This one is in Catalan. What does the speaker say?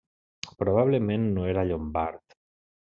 Probablement no era llombard.